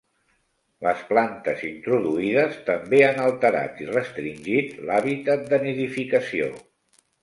Les plantes introduïdes també han alterat i restringit l'hàbitat de nidificació.